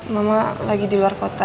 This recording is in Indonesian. mama lagi di luar kota